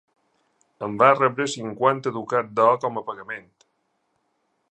En va rebre cinquanta ducats d'or com a pagament.